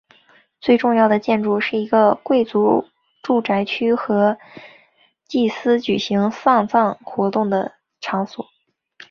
最重要的建筑是一个贵族住宅区和祭司举行丧葬活动的场所。